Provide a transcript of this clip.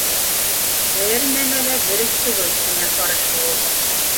— Бер нәмә лә дөрөҫ түгел, —тине Ҡарышлауыҡ.